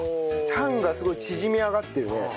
タンがすごい縮み上がってるね。